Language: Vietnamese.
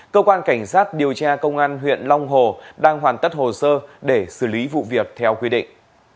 cơ quan cảnh sát điều tra công an huyện long hồ đang hoàn tất hồ sơ để xử lý vụ việc theo quy định